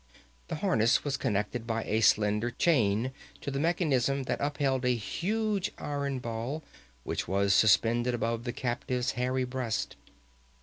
This harness was connected by a slender chain to the mechanism that upheld a huge iron ball which was suspended above the captive's hairy breast.